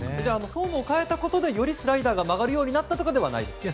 フォームを変えてよりスライダーが曲がるようになったということではないんですか。